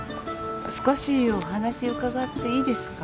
少しお話伺っていいですか？